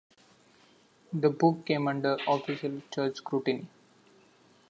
The book came under official Church scrutiny.